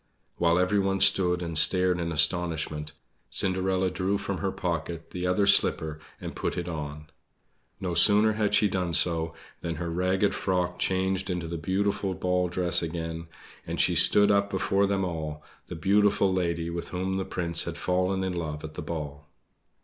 While everyone stood and stared in astonishment, Cinderella drew from her pocket the other slipper and put it on. No sooner had she done so than her ragged frock changed into the beautiful ball dress again, and she stood up before them all the beautiful lady with whom the Prince had fallen in love at the ball.